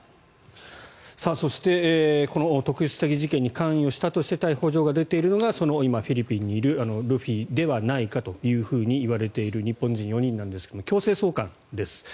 そしてこの特殊詐欺事件に関与したとして逮捕状が出ているのが今、フィリピンにいるルフィではないかというふうにいわれている日本人４人なんですが強制送還です。